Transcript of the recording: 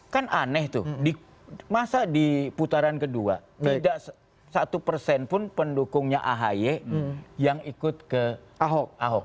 kan aneh tuh di masa di putaran kedua tidak satu persen pun pendukungnya ahy yang ikut ke ahok ahok